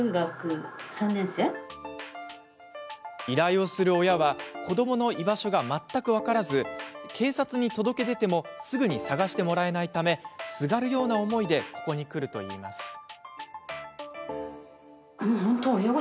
依頼をする親は子どもの居場所が全く分からず警察に届け出てもすぐに捜してもらえないためすがるような思いでここに来るといいます。